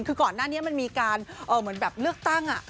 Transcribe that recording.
คือก่อนหน้านี้มันมีการเหมือนแบบเลือกตั้ง